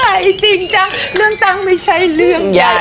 เพียงใจจริงจ๊ะเรื่องต่างไม่ใช่เรื่องว่า